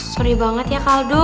sorry banget ya kaldo